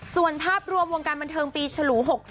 ส่วนภาพรวมวงการบันเทิงปีฉลู๖๒